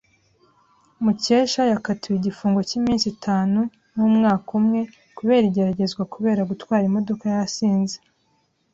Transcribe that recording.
Mukesha yakatiwe igifungo cy’iminsi itanu n’umwaka umwe kubera igeragezwa kubera gutwara imodoka yasinze.